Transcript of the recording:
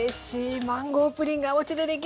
マンゴープリンがおうちでできるなんて。